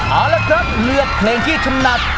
เอาละครับเลือกเพลงที่ถนัด